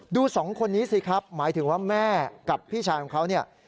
สองคนนี้สิครับหมายถึงว่าแม่กับพี่ชายของเขาเนี่ย